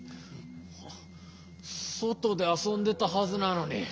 そとであそんでたはずなのに。